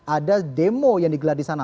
ada demo yang digelar di sana